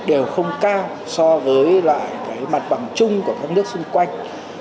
đều không cao so với lại cái mặt bằng chung của các nước xung quanh